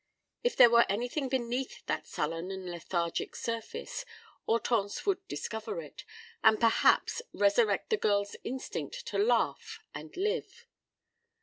If there were anything beneath that sullen and lethargic surface, Hortense would discover it, and perhaps resurrect the girl's instinct to laugh and live.